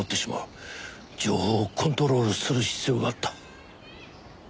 情報をコントロールする必要があった。